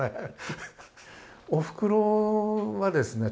おふくろはですね